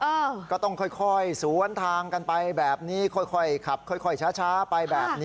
ก็ต้องค่อยค่อยสวนทางกันไปแบบนี้ค่อยค่อยขับค่อยค่อยช้าช้าไปแบบนี้